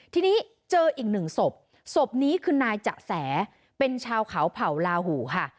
ทีนี้เจออีกหนึ่งศพศพนี้คือนายจะแสเป็นชาวเขาเผ่าลาหูค่ะ